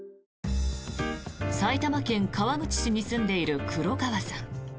埼玉県川口市に住んでいる黒川さん。